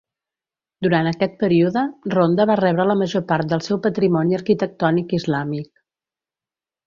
Durant aquest període, Ronda va rebre la major part del seu patrimoni arquitectònic islàmic.